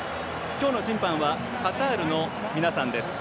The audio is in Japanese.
今日の審判はカタールの皆さんです。